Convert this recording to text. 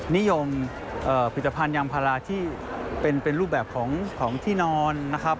นิยมผลิตภัณฑ์ยางพาราที่เป็นรูปแบบของที่นอนนะครับ